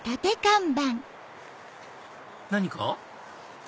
何か？